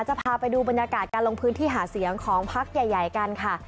จะพาไปดูบรรยากาศการลงพื้นที่หาเสียงของพักใหญ่กันค่ะ